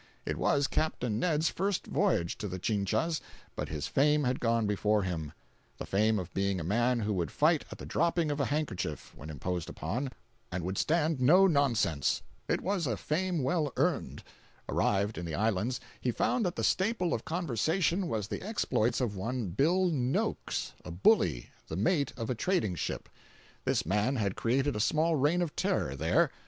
It was Capt. Ned's first voyage to the Chinchas, but his fame had gone before him—the fame of being a man who would fight at the dropping of a handkerchief, when imposed upon, and would stand no nonsense. It was a fame well earned. Arrived in the islands, he found that the staple of conversation was the exploits of one Bill Noakes, a bully, the mate of a trading ship. This man had created a small reign of terror there.